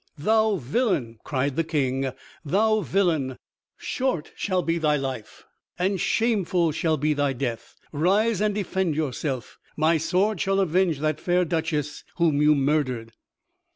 "Thou villain!" cried the King "thou villain! short shall be thy life and shameful shall be thy death. Rise and defend yourself. My sword shall avenge that fair duchess whom you murdered."